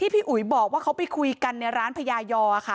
พี่อุ๋ยบอกว่าเขาไปคุยกันในร้านพญายอค่ะ